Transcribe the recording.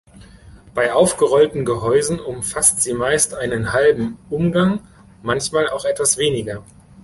Bei aufgerollten Gehäusen umfasst sie meist einen halben Umgang, manchmal auch etwas weniger.